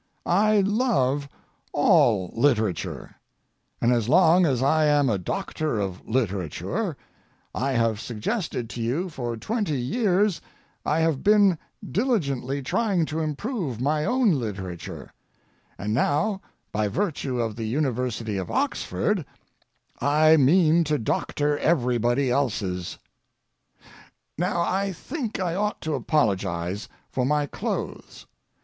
I love all literature, and as long as I am a doctor of literature—I have suggested to you for twenty years I have been diligently trying to improve my own literature, and now, by virtue of the University of Oxford, I mean to doctor everybody else's. Now I think I ought to apologize for my clothes.